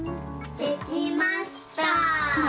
できました。